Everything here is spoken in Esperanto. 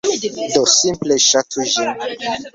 Do simple, ŝatu ĝin.